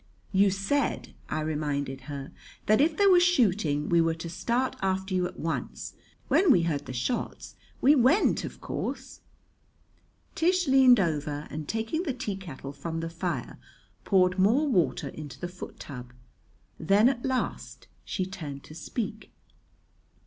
"You said," I reminded her, "that if there was shooting, we were to start after you at once. When we heard the shots, we went, of course." Tish leaned over and, taking the teakettle from the fire, poured more water into the foot tub. Then at last she turned to speak.